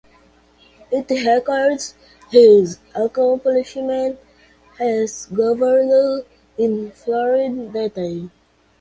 It records his accomplishments as governor in florid detail.